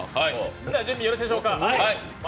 準備、よろしいでしょうか。